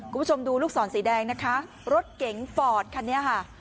คุณผู้ชมดูลูกศรสีแดงนะคะรถเก๋งฟอร์ดคันนี้ค่ะ